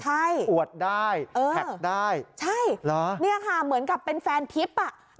ใช่อวดได้แคปได้หรอใช่นี่ค่ะเหมือนกับเป็นแฟนทิพย์